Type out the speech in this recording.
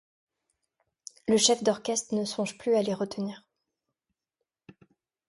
Le chef d’orchestre ne songe plus à les retenir.